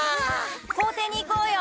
校庭に行こうよ！